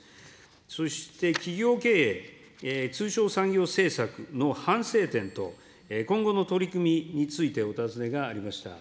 そして企業経営、通商産業政策の反省点と、今後の取り組みについてお尋ねがありました。